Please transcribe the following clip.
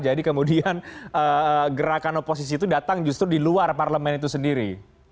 jadi kemudian gerakan oposisi itu datang justru di luar parlemen itu sendiri